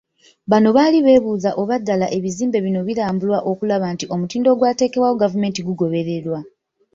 Bano bali beebuuza oba ddala ebizimbe bino birambulwa okulaba nti omutindo ogwateekebwawo gavumenti gugobererwa.